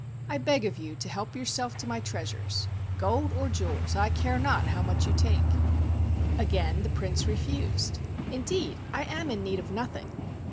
"I beg of you to help yourself to my treasures, — gold or jewels, I care not how much you take." Again the Prince refused. "Indeed, I am in need of nothing."